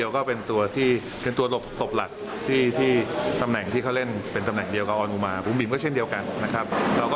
เกมต่อไปนะครับ